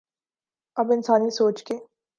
اب انسانی سوچ کے